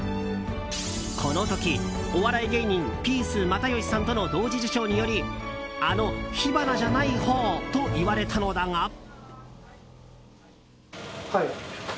この時、お笑い芸人ピース又吉さんとの同時受賞によりあの「火花」じゃないほうといわれたのだが。